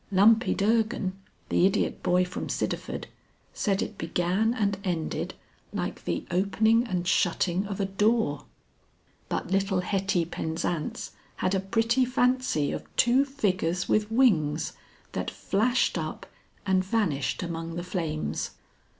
Lumpy Durgan, the idiot boy from Sidderford, said it began and ended like the opening and shutting of a door. But little Hetty Penzance had a pretty fancy of two figures with wings, that flashed up and vanished among the flames.